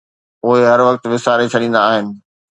اهي هر وقت وساري ڇڏيندا آهن